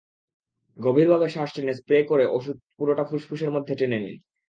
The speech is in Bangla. গভীরভাবে শ্বাস টেনে স্প্রে করা ওষুধ পুরোটা ফুসফুসের মধ্যে টেনে নিন।